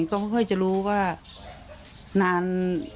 ก็ค่อยจะรู้ว่านาน